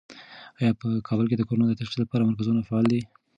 آیا په کابل کې د کرونا د تشخیص لپاره مرکزونه فعال دي؟